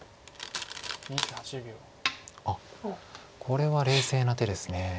あっこれは冷静な手です。